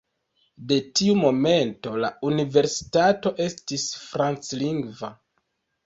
De tiu momento la universitato estis franclingva.